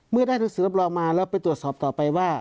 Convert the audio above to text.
ได้หนังสือรับรองมาแล้วไปตรวจสอบต่อไปว่า